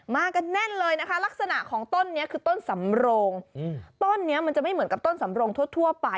มากันแน่นเลยนะคะลักษณะของต้นนี้คือต้นสำโรงต้นนี้มันจะไม่เหมือนกับต้นสำโรงทั่วไป